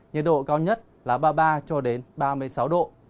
nhiệt độ cao nhất là ba mươi ba cho đến ba mươi sáu độ